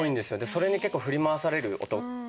それに結構振り回される男たちっていうか。